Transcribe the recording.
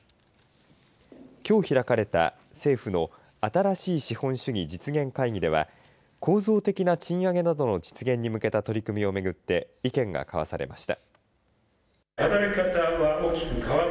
きょう開かれた政府の新しい資本主義実現会議では構造的な賃上げなどの実現に向けた取り組みを巡って意見が交わされました。